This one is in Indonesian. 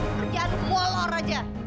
kerjaan lo kemulor aja